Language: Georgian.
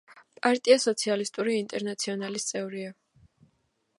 პარტია სოციალისტური ინტერნაციონალის წევრია.